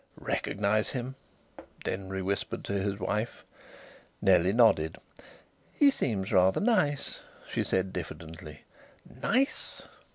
"Recognise him?" Denry whispered to his wife. Nellie nodded. "He seems rather nice," she said diffidently. "Nice!"